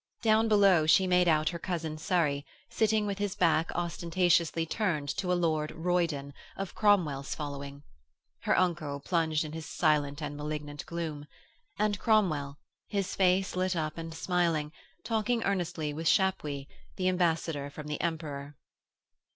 Down below she made out her cousin Surrey, sitting with his back ostentatiously turned to a Lord Roydon, of Cromwell's following; her uncle, plunged in his silent and malignant gloom; and Cromwell, his face lit up and smiling, talking earnestly with Chapuys, the Ambassador from the Emperor.